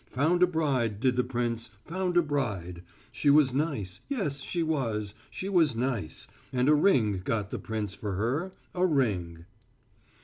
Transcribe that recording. Found a bride, did the prince, found a bride. She was nice, yes she was, she was nice, And a ring got the prince for her, a ring."